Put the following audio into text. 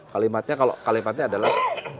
kalimatnya kalau kalimatnya adalah